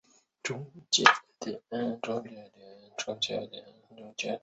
乾隆三十一年进士。